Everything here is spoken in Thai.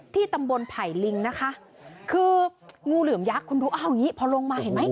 ตำบลไผ่ลิงนะคะคืองูเหลือมยักษ์คุณดูอ้าวอย่างงี้พอลงมาเห็นไหม